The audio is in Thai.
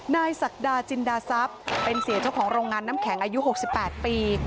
ศักดาจินดาทรัพย์เป็นเสียเจ้าของโรงงานน้ำแข็งอายุ๖๘ปี